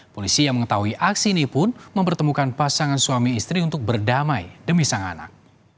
polisi yang mengetahui aksi ini pun mempertemukan pasangan suami istri untuk berdamai demi sang anak